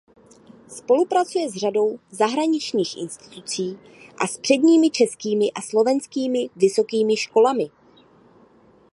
Spolupracuje s řadou zahraničních institucí a s předními českými a slovenskými vysokými školami.